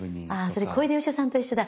それ小出義雄さんと一緒だ。